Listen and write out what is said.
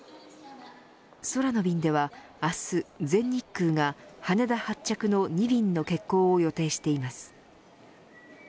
空の便では明日、全日空が羽田発着の２便の欠航を予定しています。